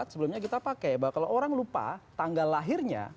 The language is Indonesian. sebelumnya kita pakai bahwa kalau orang lupa tanggal lahirnya